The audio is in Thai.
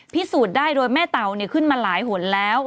พิสูจน์ได้โดยแม่เตาขึ้นมาหลายหนแล้ว